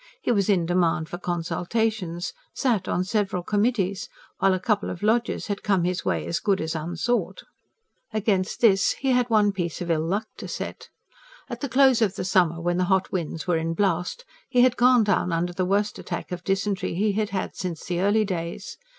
He was in demand for consultations; sat on several committees; while a couple of lodges had come his way as good as unsought. Against this he had one piece of ill luck to set. At the close of the summer, when the hot winds were in blast, he had gone down under the worst attack of dysentery he had had since the early days.